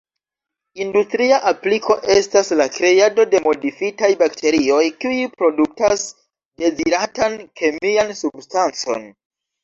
Industria apliko estas la kreado de modifitaj bakterioj, kiuj produktas deziratan kemian substancon.